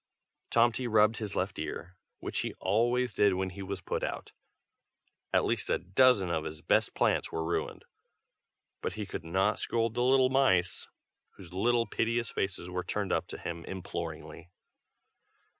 Tomty rubbed his left ear, which he always did when he was put out. At least a dozen of his best plants were ruined, but he could not scold the little mice, whose little piteous faces were turned up to him imploringly.